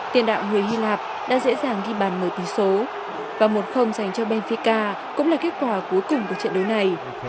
tiền đạo người hy lạp đã dễ dàng khi bàn mở tí số và một dành cho benfica cũng là kết quả cuối cùng của trận đấu này